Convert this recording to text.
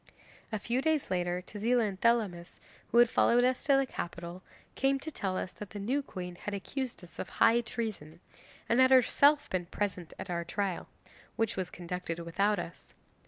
'A few days later Tezila and Thelamis, who had followed us to the capital, came to tell us that the new queen had accused us of high treason, and had herself been present at our trial which was conducted without us.